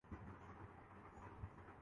یہ اچھا ہی تھا۔